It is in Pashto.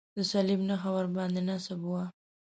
د صلیب نښه ورباندې نصب وه.